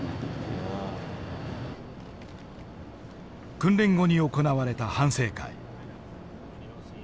訓練後に行われた反省会。